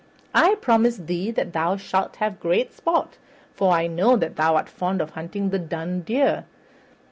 I promise thee that thou shalt have great sport, for I know that thou art fond of hunting the dun deer.